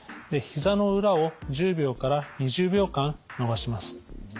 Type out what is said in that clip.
ひざの裏を１０秒から２０秒間伸ばします。